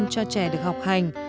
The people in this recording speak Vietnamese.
bốn mươi cho trẻ được học hành